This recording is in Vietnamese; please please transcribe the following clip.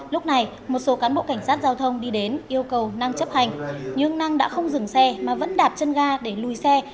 lúc này một số cán bộ cảnh sát giao thông đi đến yêu cầu năng chấp hành nhưng năng đã không dừng xe mà vẫn đạp chân ga để lùi xe